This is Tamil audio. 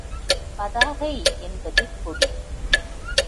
பதாகை என்பது கொடி.